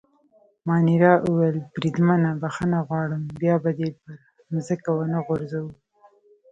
مانیرا وویل: بریدمنه بخښنه غواړم، بیا به دي پر مځکه ونه غورځوو.